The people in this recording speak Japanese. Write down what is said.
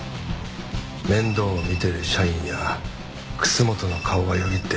面倒を見てる社員や楠本の顔がよぎって。